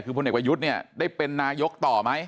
คือพลเอกประยุทธ์เนี่ยได้เป็นนายกต่อไหม